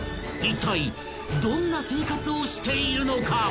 ［いったいどんな生活をしているのか？］